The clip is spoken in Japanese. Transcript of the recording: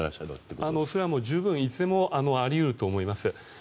それは十分、いつでもあり得ると思います。